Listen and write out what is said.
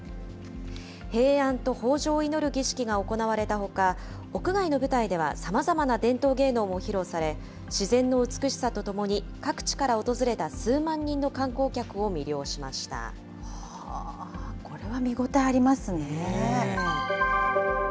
平安と豊じょうを祈る儀式が行われたほか、屋外の舞台では、さまざまな伝統芸能も披露され、自然の美しさとともに、各地から訪れた数万人の観光客を魅了しまこれは見ごたえありますね。